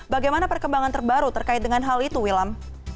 bagaimana perkembangan terbaru terkait dengan hal itu wilam